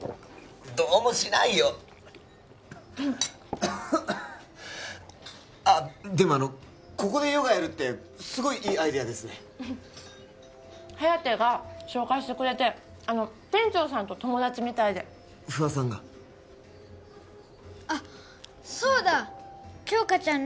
どうもしないよあっでもここでヨガやるってすごいいいアイデアですね颯が紹介してくれてあの店長さんと友達みたいで不破さんがあっそうだ杏花ちゃん